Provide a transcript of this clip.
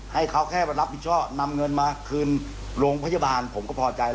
ให้เขาแค่มารับผิดชอบนำเงินมาคืนโรงพยาบาลผมก็พอใจ